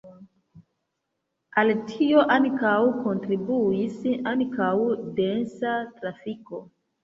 Al tio ankaŭ kontribuis ankaŭ densa trafiko.